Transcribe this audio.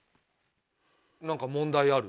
何か問題ある？